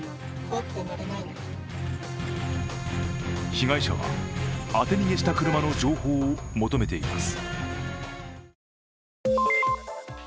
被害者は当て逃げした車の情報を求めています。